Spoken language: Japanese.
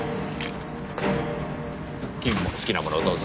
君も好きなものどうぞ。